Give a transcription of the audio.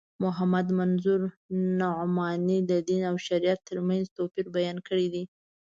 محمد منظور نعماني د دین او شریعت تر منځ توپیر بیان کړی دی.